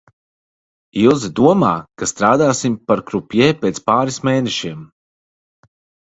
Ilze domā, ka strādāsim par krupjē pēc pāris mēnešiem.